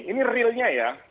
ini realnya ya